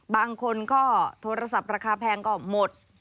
บางคนก็โทรศัพท์ราคาแพงก็หมด